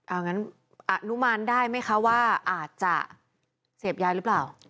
เอางั้นอนุมานได้ไหมคะว่าอาจจะเสพยาหรือเปล่า